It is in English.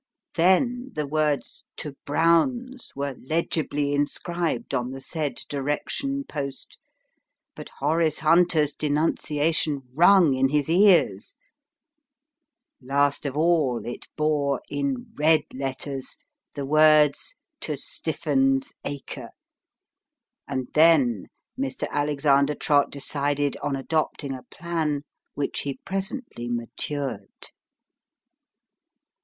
Then the words "To Brown's" were legibly inscribed on the said direction post, but Horace Hunter's denunciation rung in his ears ; last of all it bore, in red letters, the words, " To Stiffun's Acre ;" and then Mr. Alexander Trott decided on adopting a plan which he presently matured.